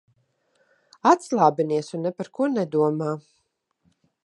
Atslābinies un ne par ko nedomā.